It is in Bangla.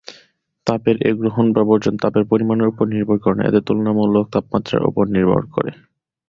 তাপের এ গ্রহণ বা বর্জন তাপের পরিমাণের উপর নির্ভর করে না, এদের তুলনামূলক তাপমাত্রার উপর নির্ভর করে।